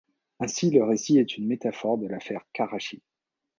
Ainsi le récit est une métaphore de l'affaire Karachi.